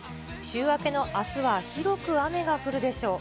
週明けのあすは広く雨が降るでしょう。